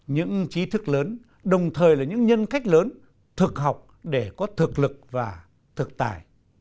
những trí thức lớn đồng thời là những nhân cách lớn thực học để có thực lực và thực tài